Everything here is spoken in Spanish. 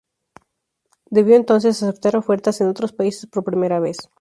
Debió entonces aceptar ofertas en otros países por primera vez.